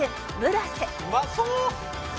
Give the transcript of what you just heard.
「うまそう！」